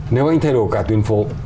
nếu anh thay đổi cả tuyến phố